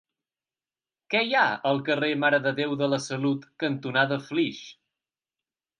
Què hi ha al carrer Mare de Déu de la Salut cantonada Flix?